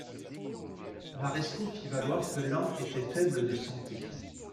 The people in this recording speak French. Marescot fit valoir que l'un était faible de santé.